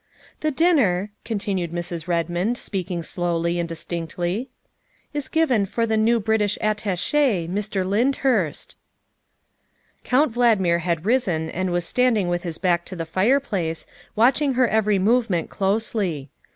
" The dinner," continued Mrs. Redmond, speaking slowly and distinctly, " is given for the new British Attache, Mr. Lyndhurst" Count Valdmir had risen and was standing with his back to the fireplace, watching her every movement closely.